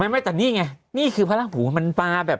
ไม่แต่นี่ไงนี่คือพระราหูมันปลาแบบ